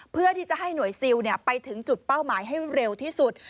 เพื่อที่จะให้หน่วยซิลไปถึงจุดเป้าหมายให้เร็วที่สุด